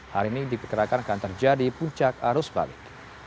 hari ini diperkirakan akan terjadi puncak arus balik